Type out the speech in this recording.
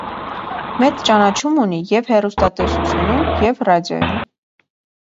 Մեծ ճանաչում ունի և՛ հեռուստատեսությունում, և՛ ռադիոյում։